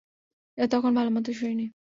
তখন ভালোমতো শুনিনি।